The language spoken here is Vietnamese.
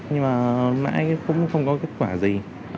nhưng mà mãi cũng không có kết quả gì